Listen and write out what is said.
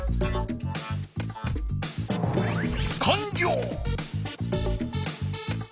かんりょう！